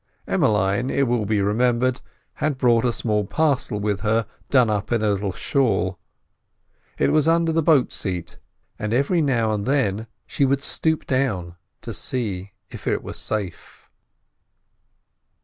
Emmeline, it will be remembered, had brought a small parcel with her done up in a little shawl; it was under the boat seat, and every now and then she would stoop down to see if it were safe.